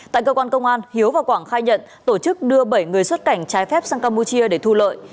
tại cơ quan công an hiếu và quảng khai nhận tổ chức đưa bảy người xuất cảnh trái phép sang campuchia để thu lợi